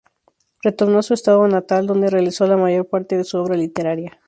Retornó a su estado natal donde realizó la mayor parte de su obra literaria.